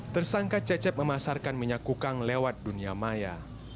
tersangka cecep memasarkan minyak kukang lewat dunia maya